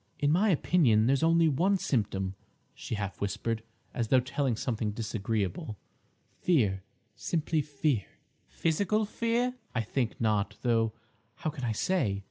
"In my opinion there's only one symptom," she half whispered, as though telling something disagreeable—"fear—simply fear." "Physical fear?" "I think not; though how can I say?